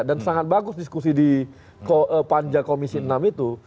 dan sangat bagus diskusi di panjang komisi enam itu